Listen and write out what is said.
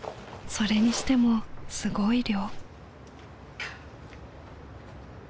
それにしてもすごい量。